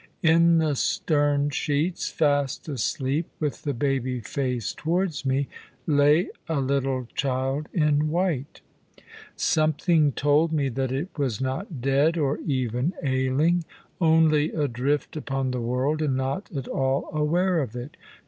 In the stern sheets, fast asleep, with the baby face towards me, lay a little child in white. Something told me that it was not dead, or even ailing; only adrift upon the world, and not at all aware of it.